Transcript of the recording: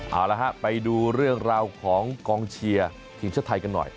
เอาละฮะไปดูเรื่องราวของกองเชียร์ทีมชาติไทยกันหน่อย